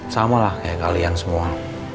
sama lah kayak kalian semua